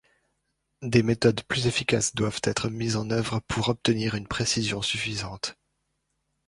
Des méthodes plus efficaces doivent être mises en œuvre pour obtenir une précision suffisante.